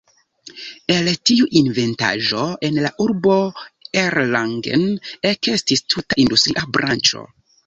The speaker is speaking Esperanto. El tiu inventaĵo en la urbo Erlangen ekestis tuta industria branĉo.